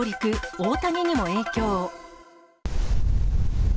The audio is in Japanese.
大谷にも影響。